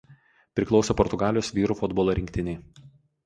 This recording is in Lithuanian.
Priklausė Portugalijos vyrų futbolo rinktinei.